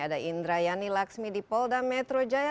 ada indra yani laksmi di polda metro jaya